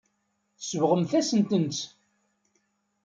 Tsebɣemt-asen-tent.